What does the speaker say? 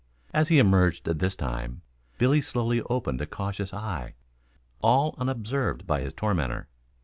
As he emerged this time, Billy slowly opened a cautious eye, all unobserved by his tormentor.